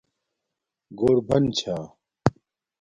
گھور بن چھا